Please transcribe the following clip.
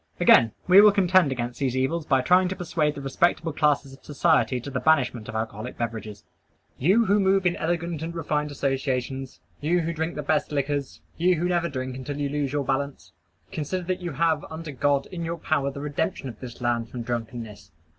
Again: we will contend against these evils by trying to persuade the respectable classes of society to the banishment of alcoholic beverages. You who move in elegant and refined associations; you who drink the best liquors; you who never drink until you lose your balance: consider that you have, under God, in your power the redemption of this land from drunkenness.